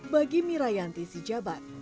bagi mirayanti sijabat